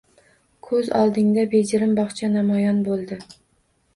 Ko’z oldingda bejirim bog’cha namoyon bo’ldi.